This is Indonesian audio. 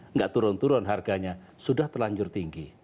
nggak turun turun harganya sudah terlanjur tinggi